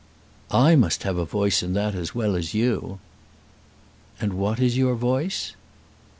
"I must have a voice in that as well as you." "And what is your voice?"